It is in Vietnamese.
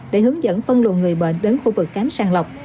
để hướng dẫn phân luận người bệnh đến khu vực khám sàng lọc